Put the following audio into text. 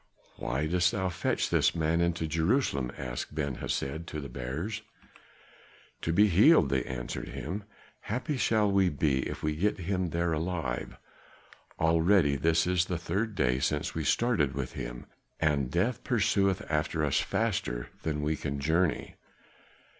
"Why dost thou fetch this man into Jerusalem?" asked Ben Hesed of the bearers. "To be healed," they answered him. "Happy shall we be if we get him there alive; already this is the third day since we started with him, and death pursueth after us faster than we can journey."